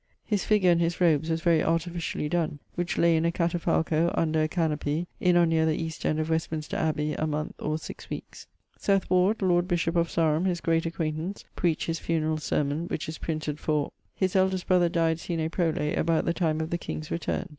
His figure in his robes was very artificially donne, which lay in a catafalco under a canopie, in or neer the east end of Westminster abby, a moneth or 6 weekes. Seth Ward, lord bishop of Sarum (his great acquaintance), preached his funerall sermon, which is printed for.... His eldest brother dyed sine prole, about the time of the King's returne.